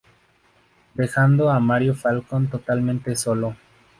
Dejando a Mario Falcone totalmente solo.